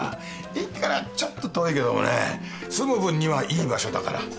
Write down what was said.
駅からちょっと遠いけどもね住む分にはいい場所だから。